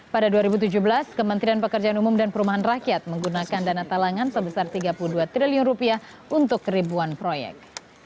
pada dua ribu tujuh belas kementerian pekerjaan umum dan perumahan rakyat menggunakan dana talangan sebesar tiga puluh dua triliun rupiah untuk ribuan proyek